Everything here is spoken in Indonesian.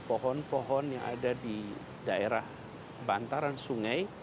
pohon pohon yang ada di daerah bantaran sungai